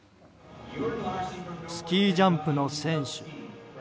スキージャンプの選手。